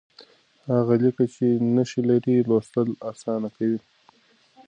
هغه لیک چې نښې لري، لوستل اسانه کوي.